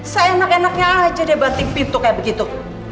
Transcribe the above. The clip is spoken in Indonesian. seenak enaknya aja dia banting pintu kayak begitu